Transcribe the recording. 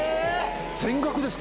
全額ですか？